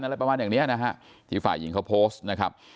อะไรประมาณอย่างเนี้ยนะฮะที่ฝ่ายหญิงเขาโพสต์นะครับ